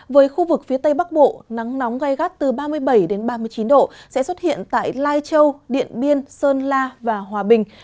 với khu vực phía tây bắc bộ nắng nóng gai gắt từ ba mươi bảy ba mươi chín độ sẽ xuất hiện tại lai châu điện biên sơn la và hòa bình